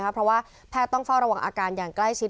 เพราะว่าแพทย์ต้องเฝ้าระวังอาการอย่างใกล้ชิด